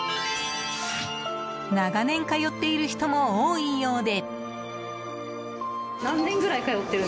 長年通っている人も多いようで。